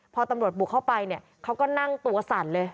พอตำรวจบุกเข้าไปเนี่ยเขาก็นั่งตัวสั่นเลย